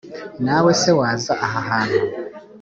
Nawe se waza aha hantu